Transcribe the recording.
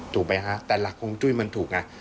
ถูกไหมฮะแต่หลักฮวงจุ้ยมันถูกไง